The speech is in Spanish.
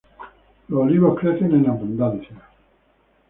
Los olivos crecen en abundancia.